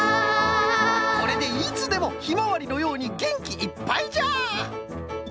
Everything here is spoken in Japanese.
これでいつでもヒマワリのようにげんきいっぱいじゃ！